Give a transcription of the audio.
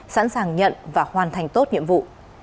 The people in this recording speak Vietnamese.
sẵn sàng nhận và hoàn thành tốt nhiệm vụ